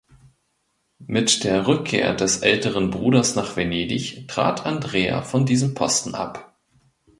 Mit der Rückkehr des älteren Bruders nach Venedig trat Andrea von diesem Posten ab.